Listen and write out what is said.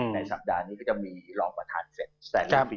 ในสัปดาห์นี้ก็จะมีรองประธานเสร็จ